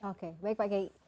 oke baik pak gai